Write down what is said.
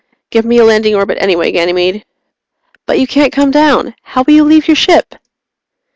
_ "Give me a landing orbit anyway, Ganymede." "But you can't come down! How will you leave your ship?"